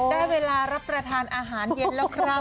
ได้เวลารับประทานอาหารเย็นแล้วครับ